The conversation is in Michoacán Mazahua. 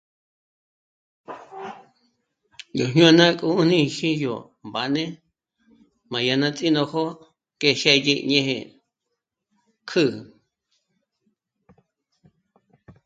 Nú jñôna k'o 'ùniji yó mbáne m'a dyà ts'ínojo que xë́dyi ñéje kjü'ü